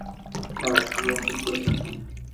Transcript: Sir, আমরা একই স্কুলে পড়তাম।